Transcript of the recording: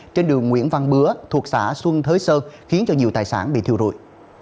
trên đường nguyễn văn bứa thuộc xã xuân thới sơn khiến cho nhiều tài sản bị thiêu rụi